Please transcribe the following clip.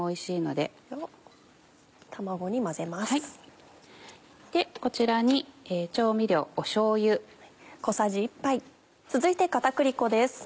でこちらに調味料しょうゆ。続いて片栗粉です。